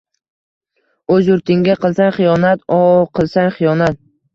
Oʼz yurtingga qilsang xiyonat-o, qilsang xiyonat.